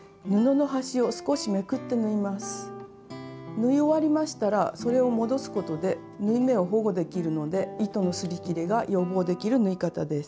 縫い終わりましたらそれを戻すことで縫い目を保護できるので糸のすり切れが予防できる縫い方です。